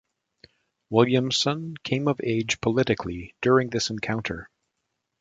Williamson came of age politically during this encounter.